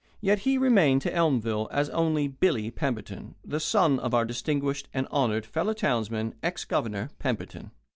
Yet, he remained to Elmville as only "Billy" Pemberton, the son of our distinguished and honoured fellow townsman, "ex Governor Pemberton."